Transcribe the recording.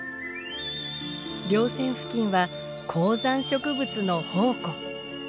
稜線付近は高山植物の宝庫。